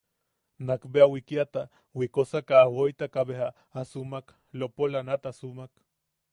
Nakbea wikiata wikosaka a woitaka beja a sumak, lopola nat a sumak.